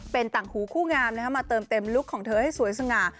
เป็นต่างหูคู่งามมาเติมเต็มลุคของเธอให้สวยสง่า